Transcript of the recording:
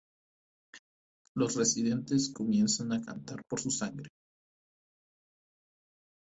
Los residentes comienzan a cantar por su sangre.